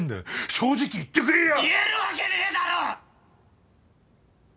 正直言ってくれりゃ。言えるわけねえだろ！！